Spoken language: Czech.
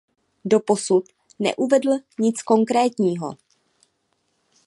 Doposud neuvedl nic konkrétního.